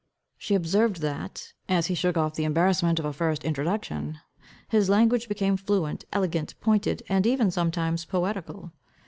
She observed, that, as he shook off the embarrassment of a first introduction, his language became fluent, elegant, pointed, and even sometimes poetical.